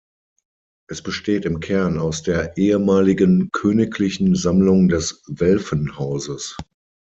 Es besteht im Kern aus der ehemaligen königlichen Sammlung des Welfenhauses.